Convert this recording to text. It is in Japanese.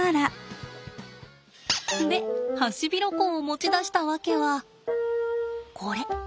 でハシビロコウを持ち出した訳はこれ。